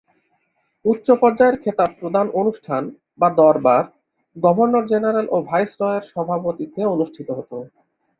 উচ্চ পর্যায়ের খেতাব প্রদান অনুষ্ঠান বা দরবার গভর্নর জেনারেল ও ভাইসরয়ের সভাপতিত্বে অনুষ্ঠিত হতো।